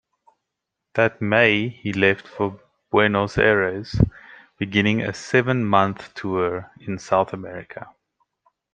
That May he left for Buenos Aires, beginning a seven-month tour in South America.